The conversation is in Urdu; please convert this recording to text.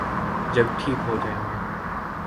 جب ٹھیک ہو جائیں گے۔